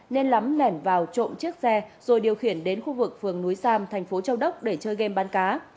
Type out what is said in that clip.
nên lắm lẻn vào trộm chiếc xe rồi điều khiển đến khu vực phường núi sam thành phố châu đốc để chơi game bán cá